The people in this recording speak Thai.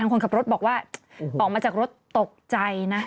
คนขับรถบอกว่าออกมาจากรถตกใจนะ